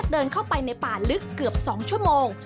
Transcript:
เดินเข้าไปในป่าลึกเกือบ๒ชั่วโมง